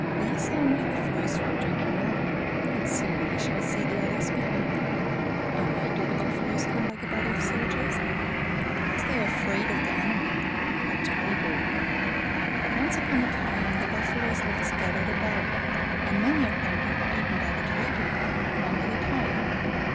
We see only the first row drinking now, but soon we shall see the others behind. And why do the buffaloes come like a body of soldiers? Because they are afraid of their enemy the tiger! Once upon a time the buffaloes lived scattered about, and many of them got eaten by the tiger, one at a time.